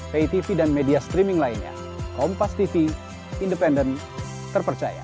pay tv dan media streaming lainnya kompas tv independen terpercaya